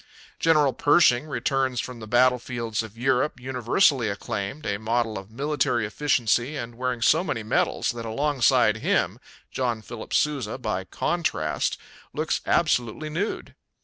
General Pershing returns from the battlefields of Europe universally acclaimed a model of military efficiency and wearing so many medals that alongside him John Philip Sousa, by contrast, looks absolutely nude.